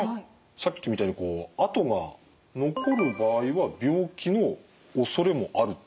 さっきみたいにこう痕が残る場合は病気のおそれもあるってことですか？